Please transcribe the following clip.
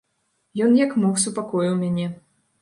Ён, як мог, супакоіў мяне.